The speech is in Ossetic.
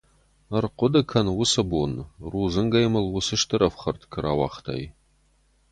Ӕрхъуыды кӕн уыцы бон, рудзынгӕй мыл уыцы стыр ӕфхӕрд куы рауагътай.